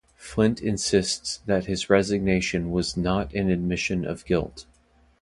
Flint insists that his resignation was "not an admission of guilt".